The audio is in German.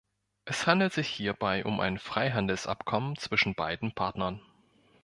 Es handelt sich hierbei um ein Freihandelsabkommen zwischen beiden Partnern.